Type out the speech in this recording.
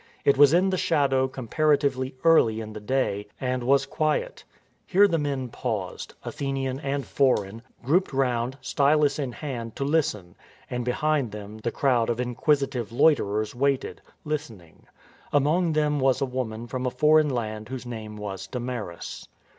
It was in the shadow comparatively early in the day, and was quiet. Here the men paused ^— Athenian and foreign — grouped round, stylus in hand, to listen; and behind them the crowd of inquisitive loiterers waited, listen ing. Among these was a woman from a foreign land whose name was Damaris.